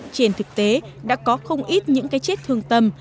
trên thực tế đã có không ít những cái chết thương tâm